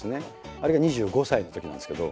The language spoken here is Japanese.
あれが２５歳のときなんですけど。